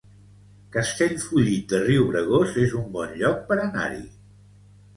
Castellfollit de Riubregós es un bon lloc per anar-hi